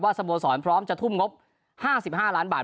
สโมสรพร้อมจะทุ่มงบ๕๕ล้านบาท